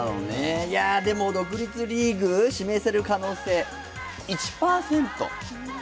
でも独立リーグ、指名される可能性は１％。